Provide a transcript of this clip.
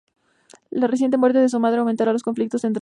La reciente muerte de su madre aumentará los conflictos entre ambos.